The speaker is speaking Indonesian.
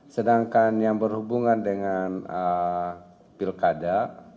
sedangkan yang berhubungan dengan pilkada